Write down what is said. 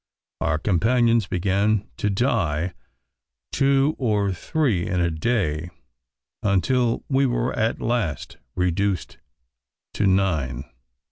Our companions began to die two or three in a day, until we were at last reduced to nine.